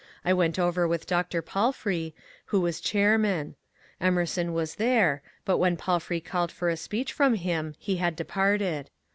I went over with Dr. Palfrey, who was chairman. Emerson was there, but when Palfrey called for a speech from him he had departed.